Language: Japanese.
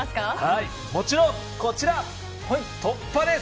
もちろん、こちら突破です。